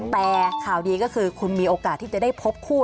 แต่ข่าวดีก็คือคุณมีโอกาสที่จะได้พบคู่